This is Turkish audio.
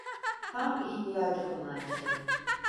Tam ihtiyacım olan şey.